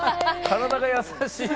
体が優しい。